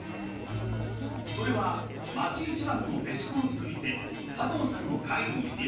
それは町一番のへしこの作り手加藤さんを会に入れること。